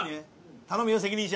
頼むよ責任者。